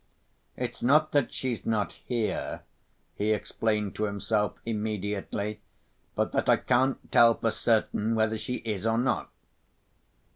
"It's not that she's not here," he explained to himself, immediately, "but that I can't tell for certain whether she is or not."